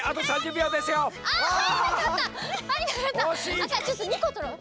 じゃあちょっと２ことろう。